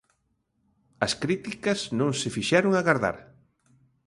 As críticas non se fixeron agardar.